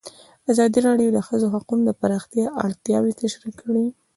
ازادي راډیو د د ښځو حقونه د پراختیا اړتیاوې تشریح کړي.